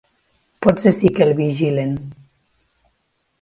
Potser sí que el vigilen.